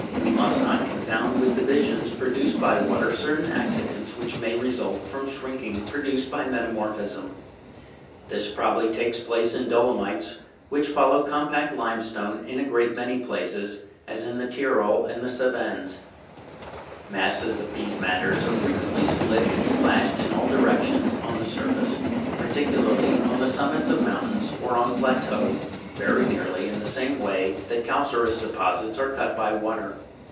We must not confound with divisions produced by water certain accidents which may result from shrinking produced by metamorphism. This pro bably takes place in dolomites, which follow compact limestone in a great many places, as in the Tyrol and in Cevennes. Masses of these matters are frequently split and slashed in all directions on the surface, particularly on the summits of mountains or on plateaux, very nearly in the same way that calcareous deposits are cut by water.